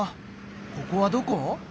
ここはどこ？